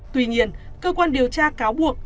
tuy nhiên cơ quan điều tra cáo buộc